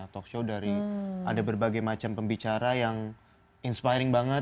talkshow dari ada berbagai macam pembicara yang inspiring banget